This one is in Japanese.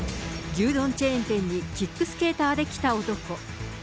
牛丼チェーン店にキックスケーターで来た男。